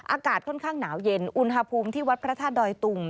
อากาศค่อนข้างหนาวเย็นอุณหภูมิที่วัดพระธาตุดอยตุง